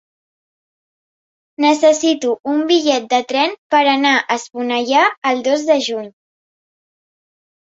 Necessito un bitllet de tren per anar a Esponellà el dos de juny.